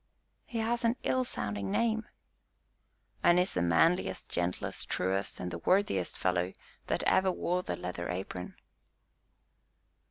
"He has an ill sounding name." "And is the manliest, gentlest, truest, and worthiest fellow that ever wore the leather apron."